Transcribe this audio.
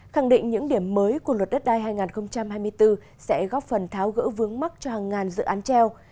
khẳng định những điểm mới của luật đất đai hai nghìn hai mươi bốn sẽ góp phần tháo gỡ vướng mắt cho hàng ngàn dự án treo